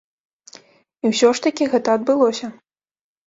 І ўсё ж такі гэта адбылося.